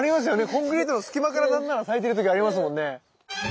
コンクリートの隙間から何なら咲いてる時ありますもんね。